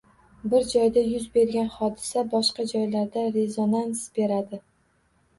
Bir joyda yuz bergan hodisa boshqa joylarga rezonans beradi